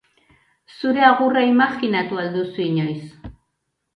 Zure agurra imajinatu al duzu inoiz?